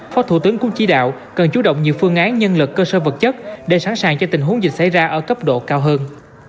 phó thủ tướng cũng chỉ đạo cần chú động nhiều phương án nhân lực cơ sở vật chất để sẵn sàng cho tình huống dịch xảy ra ở cấp độ cao hơn